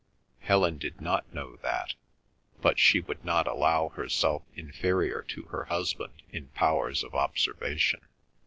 Helen did not know that, but she would not allow herself inferior to her husband in powers of observation.